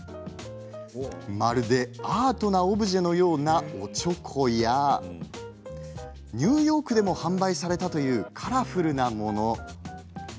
まるでアートなオブジェのようなおちょこやニューヨークでも販売されたというカラフルなもの。